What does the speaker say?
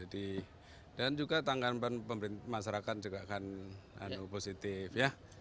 dan juga tanggapan pemerintah masyarakat juga akan positif